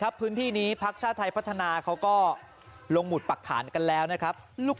ดังนั้นพี่น้องจะเชื่อหรือไม่เชื่อท่านยังไงก็ไม่รู้